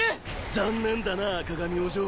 残念だな赤髪お嬢。